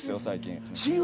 最近。